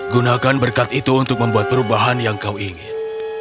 gunakan berkat itu untuk membuat perubahan yang kau ingin